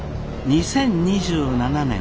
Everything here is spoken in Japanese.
２０２７年。